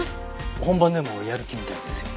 本番でもやる気みたいですよ。